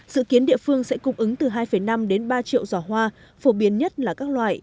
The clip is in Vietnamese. dự kiến địa phương sẽ cung ứng từ hai năm đến ba triệu giỏ hoa phổ biến nhất là các loại